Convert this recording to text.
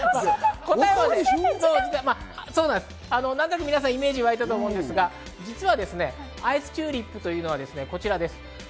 答えは、何となくイメージわいたと思いますが、実はアイスチューリップというのは、こちらです。